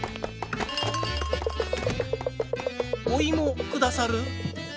おいもくださる？